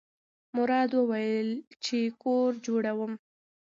مراد وویل چې کور جوړوم.